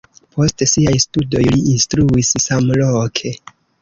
Post siaj studoj li instruis samloke.